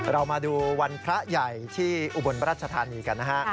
เรามาดูวันพระใหญ่ที่อุบลรัชธานีกันนะฮะ